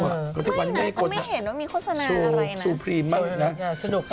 ไม่นะก็ไม่เห็นว่ามีโฆษณาอะไรนะดูจุปรีมมักนะสนุก